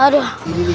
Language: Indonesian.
ayo terus main terus